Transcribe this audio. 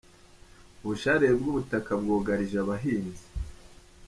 Ubusharire bw’ubutaka bwugarije abahinzi